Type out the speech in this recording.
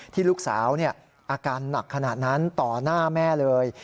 ที่ลูกสาวอาการหนักขนาดนั้นต่อหน้าแม่เลย